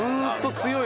強い。